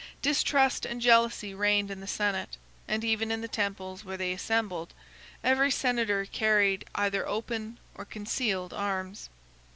Distrust and jealousy reigned in the senate; and even in the temples where they assembled, every senator carried either open or concealed arms.